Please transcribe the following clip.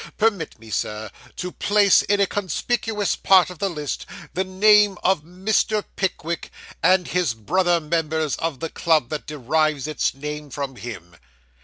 Permit me, sir, to place in a conspicuous part of the list the name of Mr. Pickwick, and his brother members of the club that derives its name from him.